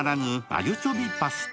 鮎チョビパスタ？